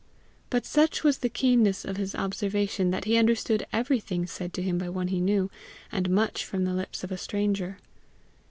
But such was the keenness of his observation that he understood everything said to him by one he knew, and much from the lips of a stranger.